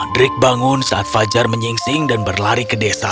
drick bangun saat fajar menyingsing dan berlari ke desa